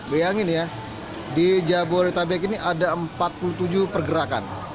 bayangin ya di jabodetabek ini ada empat puluh tujuh pergerakan